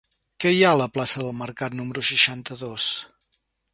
Què hi ha a la plaça del Mercat número seixanta-dos?